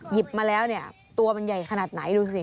หยิบมาแล้วเนี่ยตัวมันใหญ่ขนาดไหนดูสิ